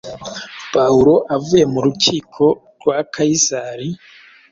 Pawulo avuye mu rukiko rwa Kayisari,